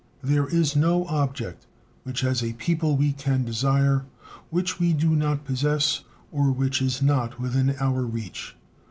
There is no object which as a people we can desire which we do not possess or which is not within our reach.